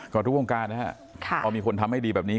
ก็ทุกวงการนะฮะพอมีคนทำให้ดีแบบนี้